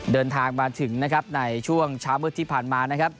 เดินทางมาถึงนะครับในช่วงเช้ามืดที่ผ่านมานะครับ